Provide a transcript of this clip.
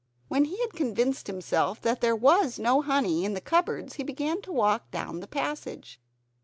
When he had convinced himself that there was no honey in the cupboards, he began to walk down the passage.